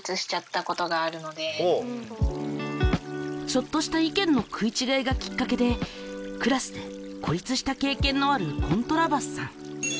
ちょっとした意見の食いちがいがきっかけでクラスで孤立した経験のあるコントラバスさん。